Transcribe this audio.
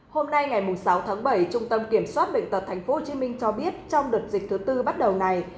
hôm nay ngày sáu tháng bảy trung tâm kiểm soát bệnh tật tp hcm cho biết trong đợt dịch thứ tư bắt đầu này